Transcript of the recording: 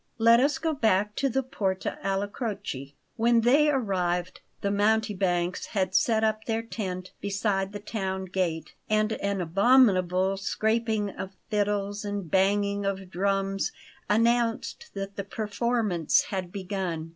Let us go back to the Porta alla Croce." When they arrived the mountebanks had set up their tent beside the town gate, and an abominable scraping of fiddles and banging of drums announced that the performance had begun.